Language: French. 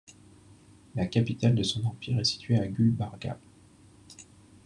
La capitale de son empire est située à Gulbarga.